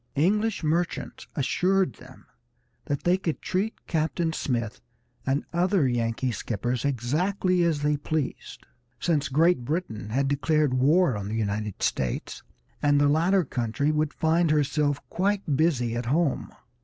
English merchants assured them that they could treat Captain Smith and other Yankee skippers exactly as they pleased, since Great Britain had declared war on the United States, and the latter country would find herself quite busy at home.